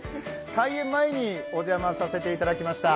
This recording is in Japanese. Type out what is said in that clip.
開園前にお邪魔させていただきました。